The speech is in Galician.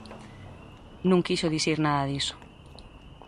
Non quixo dicir nada diso.